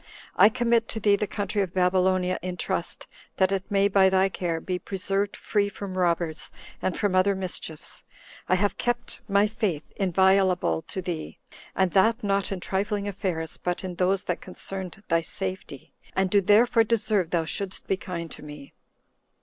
I commit to thee the country of Babylonia in trust, that it may, by thy care, be preserved free from robbers, and from other mischiefs. I have kept my faith inviolable to thee, and that not in trifling affairs, but in those that concerned thy safety, and do therefore deserve thou shouldst be kind to me."